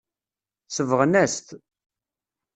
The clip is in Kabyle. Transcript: Sebɣen-as-t.